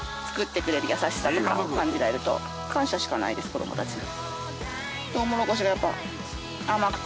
子供たちに。